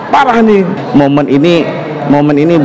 parah nih momen ini